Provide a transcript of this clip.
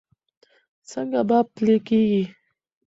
څنګه به پلي کېږي؟